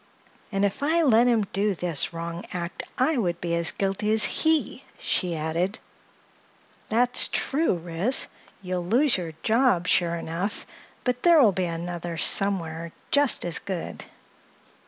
"And if I let him do this wrong act I would be as guilty as he," she added. "That's true, Ris. You'll lose your job, sure enough, but there will be another somewhere just as good."